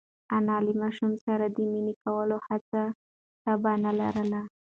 انا له ماشوم سره د مینې کولو هېڅ تابیا نهلري.